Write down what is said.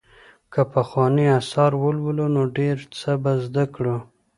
که پخواني آثار ولولو نو ډېر څه به زده کړو.